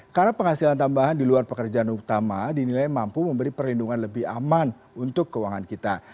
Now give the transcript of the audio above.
karena penghasilan tambahan di luar pekerjaan utama dinilai mampu memberi perlindungan lebih aman untuk keuangan kita